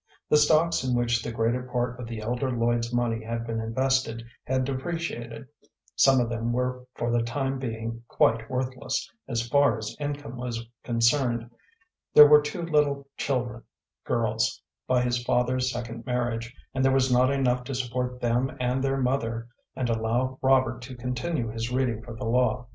The stocks in which the greater part of the elder Lloyd's money had been invested had depreciated; some of them were for the time being quite worthless as far as income was concerned. There were two little children girls by his father's second marriage, and there was not enough to support them and their mother and allow Robert to continue his reading for the law.